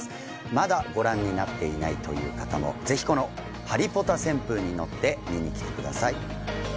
まだご覧になっていないという方もぜひこのハリポタ旋風に乗って見に来てください